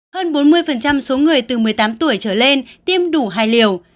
hơn bốn mươi số người từ một mươi tám tuổi trở lên tiêm đủ hài liều